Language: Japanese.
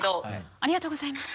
ありがとうございます。